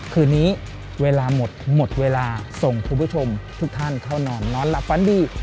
คืนนี้เวลาหมดหมดเวลาส่งคุณผู้ชมทุกท่านเข้านอนนอนหลับฝันดี